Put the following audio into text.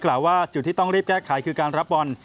กล่าวว่าจุดที่ต้องรีบแก้ไขคือการรับบอล